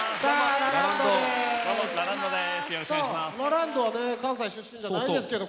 ラランドはね関西出身じゃないんですけど